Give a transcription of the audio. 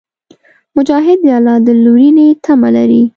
مجاهد د الله د لورینې تمه لري.